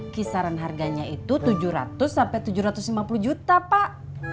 kisaran harganya itu tujuh ratus sampai tujuh ratus lima puluh juta pak